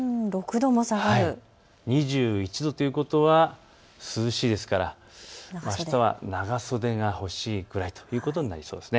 ２１度ということは涼しいですからあしたは長袖が欲しいぐらいということになりそうです。